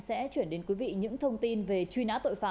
sẽ chuyển đến quý vị những thông tin về truy nã tội phạm